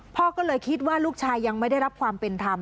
พ่อก็เลยคิดว่าลูกชายยังไม่ได้รับความเป็นธรรม